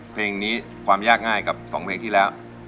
เพลงนี้ความยากง่ายกับ๒เพลงที่แล้ว